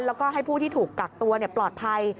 แล้วก็ให้ผู้ที่ถูกกักตัวปลอดภัย